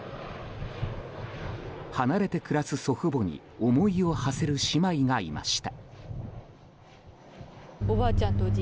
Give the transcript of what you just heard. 離れて暮らす祖父母に思いをはせる姉妹がいました。